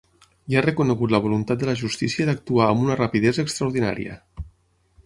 I ha reconegut la voluntat de la justícia d’actuar amb una rapidesa extraordinària.